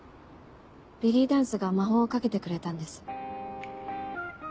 ベリーダンスが魔法をかけてくれたんです。